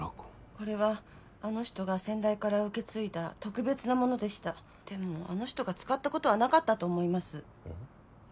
これはあの人が先代から受け継いだ特別なものでしたでもあの人が使ったことはなかったと思いますうん？